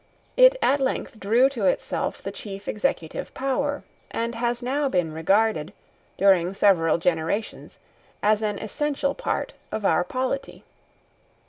It at length drew to itself the chief executive power, and has now been regarded, during several generations as an essential part of our polity.